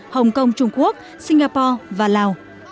hồng kông trung quốc singapore và lào